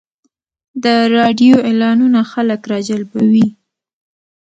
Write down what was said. د راډیو اعلانونه خلک راجلبوي.